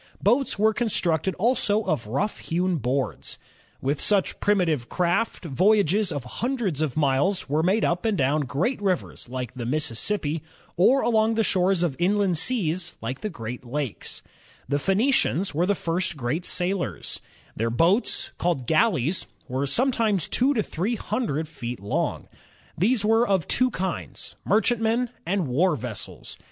Boats were constructed also of rough hewn boards. With such primitive craft, voyages of hundreds of miles were made up and down great rivers like the Mississippi, or along the shores of inland seas like the Great Lakes. The Phoenicians were the first great sailors. Their 2S 26 INVENTIONS OF STEAM AND ELECTRIC POWER boats, called galleys, were sometimes two to three hundred feet long. These were of two kinds, merchantmen and war vessels.